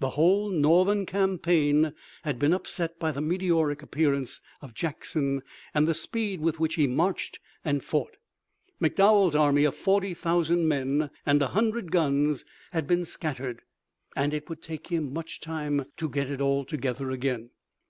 The whole Northern campaign had been upset by the meteoric appearance of Jackson and the speed with which he marched and fought. McDowell's army of 40,000 men and a hundred guns had been scattered, and it would take him much time to get it all together again.